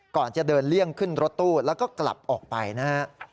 ก่อนจะเดินเลี่ยงขึ้นรถตู้แล้วก็กลับออกไปนะฮะ